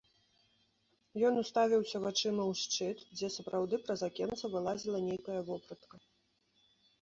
Ён уставіўся вачыма ў шчыт, дзе сапраўды праз акенца вылазіла нейкая вопратка.